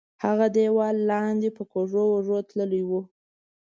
هغه دیوال لاندې په کږو وږو تللی وو.